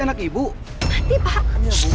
anak ibu mati pak